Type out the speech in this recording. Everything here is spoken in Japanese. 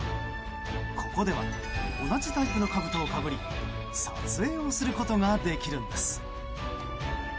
ここでは同じタイプのかぶとをかぶり撮影することができるんです。